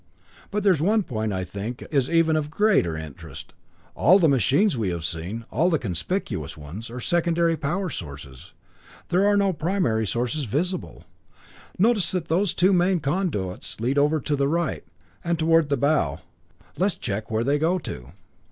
But there's one point I think is of even greater interest. All the machines we have seen, all the conspicuous ones, are secondary power sources. There are no primary sources visible. Notice that those two main conduits lead over to the right, and toward the bow. Let's check where they go to."